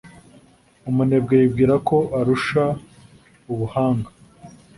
Umunebwe yibwira ko arusha ubuhanga